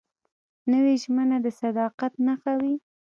نوې ژمنه د صداقت نښه وي